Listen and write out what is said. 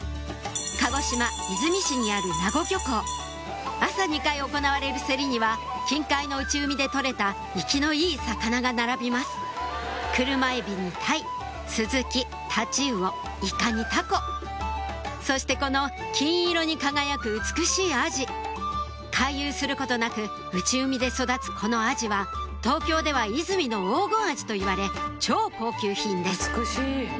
鹿児島・出水市にある朝２回行われる競りには近海の内海で取れた生きのいい魚が並びますクルマエビにタイスズキタチウオイカにタコそしてこの金色に輝く美しいアジ回遊することなく内海で育つこのアジは東京では「出水の黄金アジ」といわれ超高級品です